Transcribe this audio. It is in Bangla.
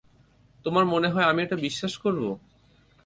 তোমার মনে হয় আমি এটা বিশ্বাস করব?